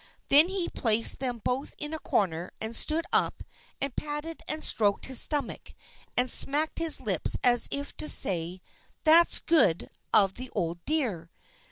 Then he placed them both in a corner, and stood up and patted and stroked his stomach, and smacked his lips, as if to say: "That's good of the old dear!